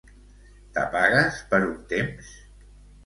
T'apagues per un temps?